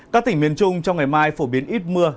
các tỉnh miền trung trong ngày mai phổ biến ít mưa